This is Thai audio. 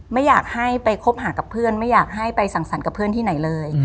ไม่อยากให้ไปคบหากับเพื่อนไม่อยากให้ไปสั่งสรรค์กับเพื่อนที่ไหนเลย